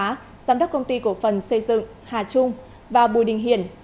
giám đốc công ty cổ phần xây dựng hà trung và bùi đình hiển